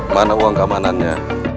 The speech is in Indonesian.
mana uang keamanannya